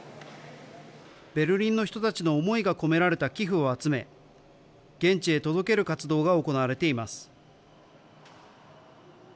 ベルリンの人たちの思いが込められた寄付を集め、現地へ届ける活動が行われています。